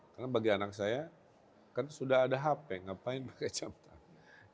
karena bagi anak saya kan sudah ada hp ngapain pakai jam tangan